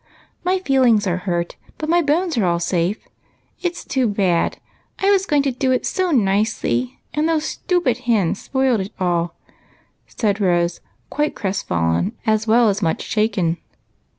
"My feelings are hurt, but my bones are all safe. It 's too bad ! I was going to do it so nicely, and those stupid hens spoilt it all," said Rose, quite crest fallen, as well as much shaken.